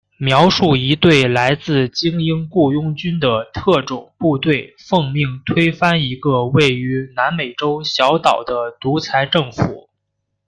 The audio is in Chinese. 描述一队来自精英雇佣军的特种部队奉命推翻一个位于南美洲小岛的独裁政府。